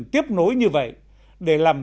tiếp nối như vậy để làm